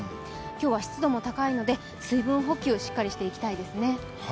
今日は湿度も高いので水分補給をしっかりしてきたいですね。